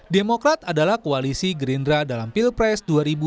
demokrat adalah koalisi gerindra dalam pilpres dua ribu dua puluh